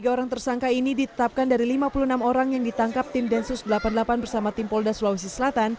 tiga orang tersangka ini ditetapkan dari lima puluh enam orang yang ditangkap tim densus delapan puluh delapan bersama tim polda sulawesi selatan